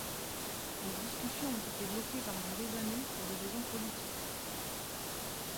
Les discussions ont été bloquées pendant des années pour des raisons politiques.